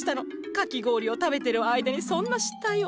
かき氷を食べてる間にそんな失態を。